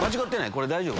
これ大丈夫？